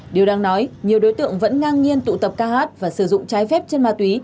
điều đang nói nhiều đối tượng vẫn ngang nhiên tụ tập ca hát và sử dụng trái phép chân ma túy